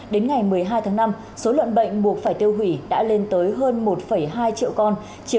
đến ngày một mươi hai tháng năm số lợn bệnh buộc phải tiêu hủy đã lên tới hơn một hai triệu con